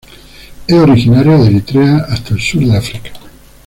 Es originario de Eritrea hasta el sur de África.